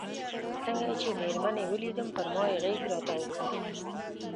څنګه چې مېرمنې یې ولیدم پر ما یې غېږ را وتاو کړل.